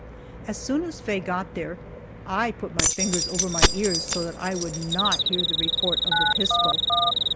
As soon as Faye got there I put my fingers over my ears so that I would not hear the report of the pistol.